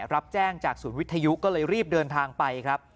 รับแจ้งจากศูนย์วิทยุก็เลยรีบเดินทางไปครับ